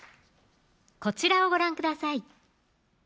こちらをご覧ください